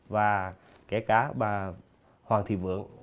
và kể cả bà hoàng thị vượng